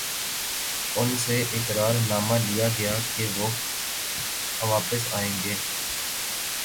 ان سے اقرار نامہ لیا گیا کہ وہ واپس آئیں گے۔